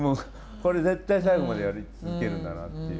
これ絶対最後までやり続けるんだなっていう。